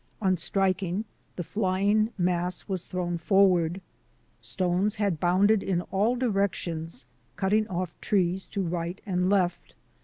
On striking, the flying mass was thrown forward. Stones had bounded in all directions, cutting off trees to right and left.